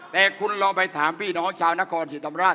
แต่คุณลองไปถามพี่น้องชาวนครศรีธรรมราช